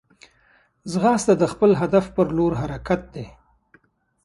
ځغاسته د خپل هدف پر لور حرکت دی